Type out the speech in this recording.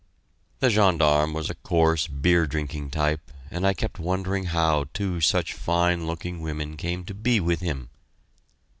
The gendarme was a coarse, beer drinking type, and I kept wondering how two such fine looking women came to be with him.